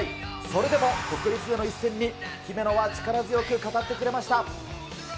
それでも国立での一戦に姫野は力強く語ってくれました。